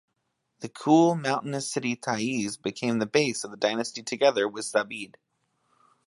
The cool mountainous city Ta'izz became the base of the dynasty together with Zabid.